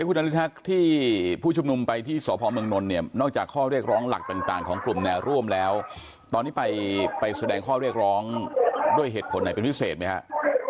คุณนฤทธิ์ที่ผู้ชุมนุมไปที่สพเมืองนนท์เนี่ยนอกจากข้อเรียกร้องหลักต่างของกลุ่มแนวร่วมแล้วตอนนี้ไปแสดงข้อเรียกร้องด้วยเหตุผลไหนเป็นพิเศษไหมฮะ